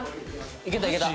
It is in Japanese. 「いけたいけた！